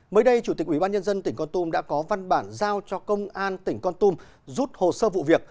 mới đây chủ tịch ubnd tỉnh con tum đã có văn bản giao cho công an tỉnh con tum rút hồ sơ vụ việc